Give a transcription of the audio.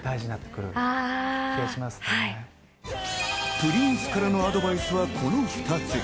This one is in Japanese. プリンスからのアドバイスがこの２つ。